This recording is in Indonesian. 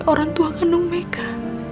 orang tua kandung meka